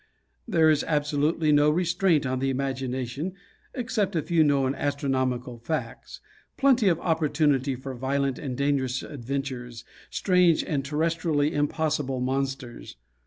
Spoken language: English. There is absolutely no restraint on the imagination, except a few known astronomical facts plenty of opportunity for violent and dangerous adventures, strange and terrestrially impossible monsters.